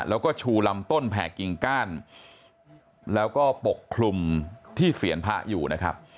แล้วก็ชูลำต้นแผ่กิ่งก้านแล้วก็ปกคลุมที่เสียนพระอยู่นะครับ